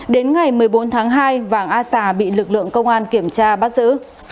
đến ngày một mươi bốn tháng hai vàng a sà bị lực lượng công an kiểm tra bắt giữ